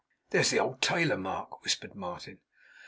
'There's the old tailor, Mark!' whispered Martin.